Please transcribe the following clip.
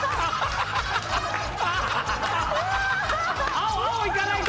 青いかないと。